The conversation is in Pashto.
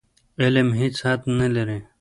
علم هېڅ حد نه لري.